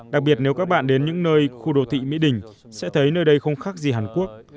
đặc biệt nếu các bạn đến những nơi khu đô thị mỹ đình sẽ thấy nơi đây không khác gì hàn quốc